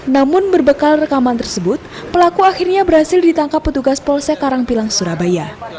namun berbekal rekaman tersebut pelaku akhirnya berhasil ditangkap petugas polsek karangpilang surabaya